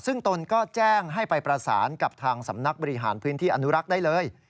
ซึ่งตนก็แจ้งให้ไปประสานกับทางสำนักบริหารพื้นที่อนุรักษ์ได้เลย